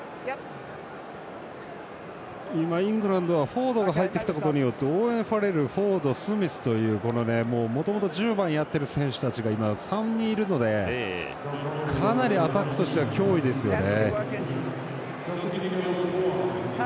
今、イングランドはフォードが入ってきたことによってオーウェン・ファレルフォード、スミスというもともと１０番やっている選手たちが今、３人いるのでかなりアタックとしては脅威ですよね。